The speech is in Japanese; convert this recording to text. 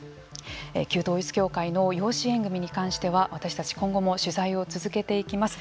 旧統一教会の養子縁組に関しては私たち、今後も取材を続けていきます。